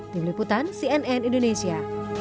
dibeliputan cnn indonesia